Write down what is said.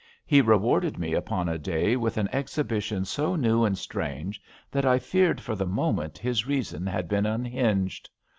He rewarded me upon a day with an exhibition so new and strange that I feared for the moment his reason had been unhinged.